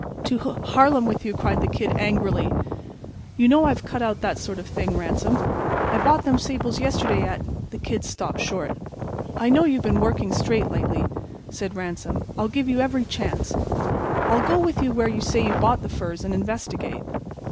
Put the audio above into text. "To h—Harlem with you," cried the Kid, angrily. "You know I've cut out that sort of thing, Ransom. I bought them sables yesterday at—" The Kid stopped short. "I know you've been working straight lately," said Ransom. "I'll give you every chance. I'll go with you where you say you bought the furs and investigate.